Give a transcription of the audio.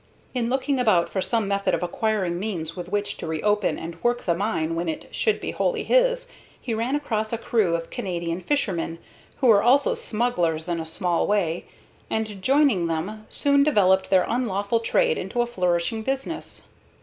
In looking about for some method of acquiring means with which to reopen and work the mine when it should be wholly his, he ran across a crew of Canadian fishermen, who were also smugglers in a small way, and, joining them, soon developed their unlawful trade into a flourishing business.